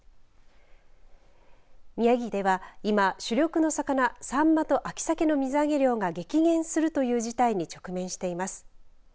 宮城では今、主力の魚さんまと秋さけの水揚げ量が激減するという事態に直面しています。